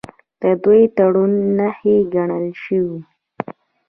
د دوی ټرور نښې ګڼلی شو.